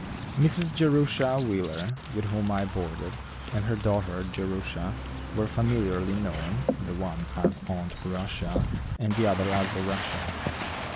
Mrs. Jerusha Wheeler, with whom I boarded, and her daughter Jerusha were familiarly known, the one as "Aunt Rushia," and the other as "Rushia."